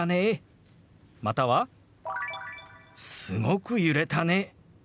または「すごく揺れたね」。